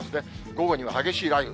午後には激しい雷雨。